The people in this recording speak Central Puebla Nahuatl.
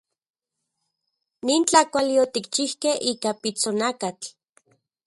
Nin tlakuali otikchijkej ika pitsonakatl.